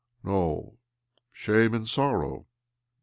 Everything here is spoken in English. " No, shame and sorrow.